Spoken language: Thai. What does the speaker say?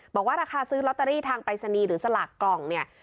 บอกว่าราคาซื้อลอตเตอรี่ทางปรายศนีย์หรือสลากกล่องเนี่ย